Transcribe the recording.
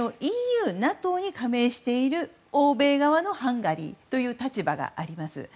ＥＵ、ＮＡＴＯに加盟している欧米側のハンガリーという立場があります。